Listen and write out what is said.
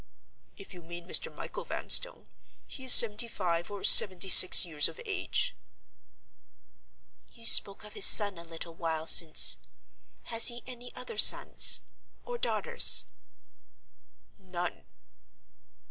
"If you mean Mr. Michael Vanstone, he is seventy five or seventy six years of age." "You spoke of his son a little while since. Has he any other sons—or daughters?" "None."